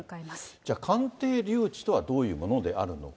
じゃあ鑑定留置とはどういうものであるのか。